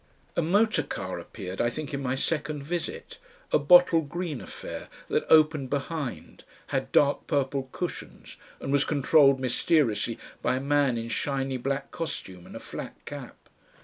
A motor car appeared, I think in my second visit, a bottle green affair that opened behind, had dark purple cushions, and was controlled mysteriously by a man in shiny black costume and a flat cap.